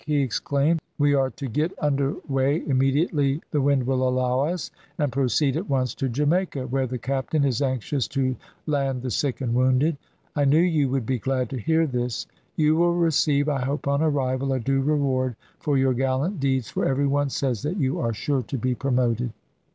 he exclaimed. "We are to get under weigh immediately the wind will allow us, and proceed at once to Jamaica, where the captain is anxious to land the sick and wounded. I knew you would be glad to hear this; you will receive, I hope on arrival, a due reward for your gallant deeds, for every one says that you are sure to be promoted."